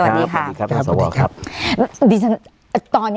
สวัสดีครับครับคุณสวะ